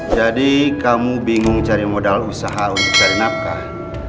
jadi kamu bingung cari modal usaha untuk cari nafkah